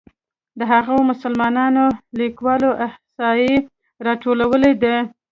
د هغو مسلمانو لیکوالو احصایې راټولول ده.